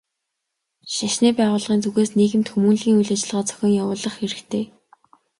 Шашны байгууллагын зүгээс нийгэм хүмүүнлэгийн үйл ажиллагаа зохион явуулах хэрэгтэй.